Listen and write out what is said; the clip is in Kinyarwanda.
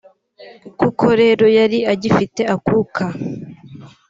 Kuko rero yari agifite akuka